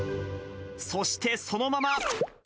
そしてそのまま。